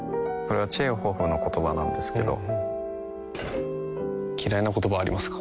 これはチェーホフの言葉なんですけど嫌いな言葉はありますか？